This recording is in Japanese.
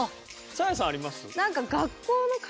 サーヤさんあります？